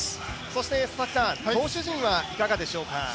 そして、投手陣はいかがでしょうか。